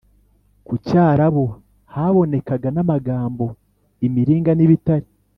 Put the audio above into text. ku cyarabu Habonekaga namagambo imiringa nibitare